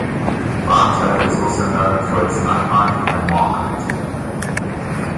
Bata is also known for its nightlife and market.